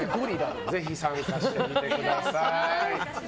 ぜひ参加してみてください。